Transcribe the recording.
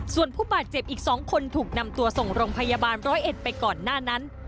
ส่วนผู้บาดเจ็บอีก๒คนถูกนำตัวส่งโรงพยาบาลร้อยเอ็ดไปก่อนหน้านั้น